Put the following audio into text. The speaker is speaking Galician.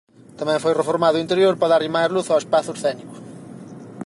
Tamén foi reformado o interior para darlle máis luz e espazo escénico.